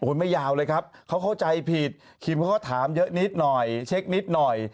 ไม่ยาวเลยครับเขาเข้าใจผิดคิมเขาก็ถามเยอะนิดหน่อยเช็คนิดหน่อย